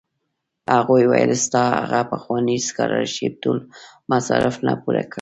هغوی ویل ستا هغه پخوانی سکالرشېپ ټول مصارف نه پوره کوي.